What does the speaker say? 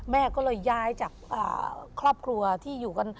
แม่ก็เลยย้ายจากครอบครัวที่อยู่กัน